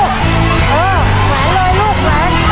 ไปเร็วลูก